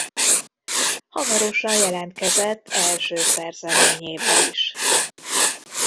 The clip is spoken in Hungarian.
Hamarosan jelentkezett első szerzeményével is.